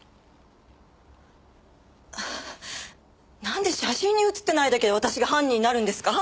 なんで写真に写ってないだけで私が犯人になるんですか？